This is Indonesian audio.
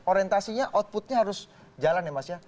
orientasinya outputnya harus jalan ya mas ya